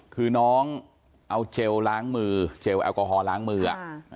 คือน้องเอาเจลล้างมือเจลแอลกอฮอลล้างมือ